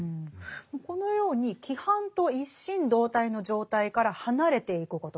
このように「規範と一心同体の状態から離れていくこと」